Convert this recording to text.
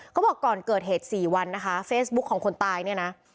บอกก่อนเกิดเหตุ๔วันนะคะเฟซบุ๊คของคนตายเนี่ยนะ